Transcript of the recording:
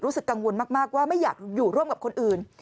รู้สึกกังวลมากว่าไม่อยากอยู่ร่วมกับคนอื่น